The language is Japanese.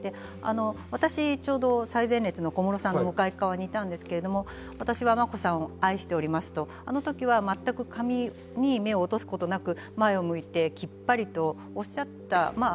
私、最前列の小室さんの向かいにいたんですが、私は眞子さんを愛していますと、全く紙に目を落とすことなく前を向いてきっぱりとおっしゃった。